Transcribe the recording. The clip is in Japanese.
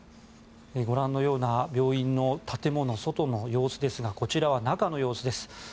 ご覧のような病院の建物の外の様子ですがこちらは中の様子です。